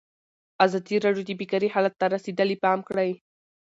ازادي راډیو د بیکاري حالت ته رسېدلي پام کړی.